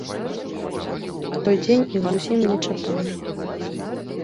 Той дзень іх зусім не чапалі.